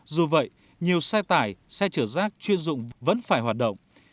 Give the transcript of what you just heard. dù vậy nhiều xe tải xe chở rác chuyên dụng vẫn phải hoạt động